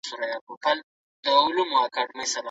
نورو ته د ضرر رسولو حق نسته.